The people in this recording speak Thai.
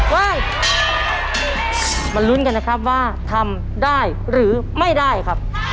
มาลุ้นกันนะครับว่าทำได้หรือไม่ได้ครับ